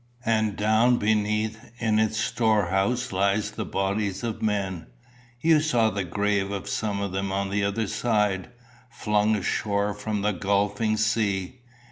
And down beneath in its storehouse lie the bodies of men you saw the grave of some of them on the other side flung ashore from the gulfing sea.